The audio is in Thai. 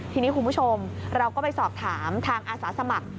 ทีนี้คุณผู้ชมเราก็ไปสอบถามทางอาสาสมัคร